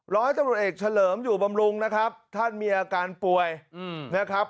ร้อยตำรวจเอกเฉลิมอยู่บำรุงนะครับท่านมีอาการป่วยนะครับ